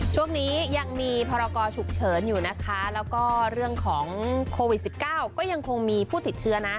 ช่วงนี้ยังมีพรกรฉุกเฉินอยู่นะคะแล้วก็เรื่องของโควิด๑๙ก็ยังคงมีผู้ติดเชื้อนะ